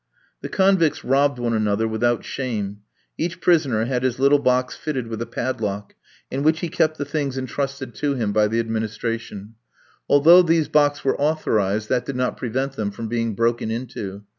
The convicts robbed one another without shame. Each prisoner had his little box fitted with a padlock, in which he kept the things entrusted to him by the administration. Although these boxes were authorised, that did not prevent them from being broken into.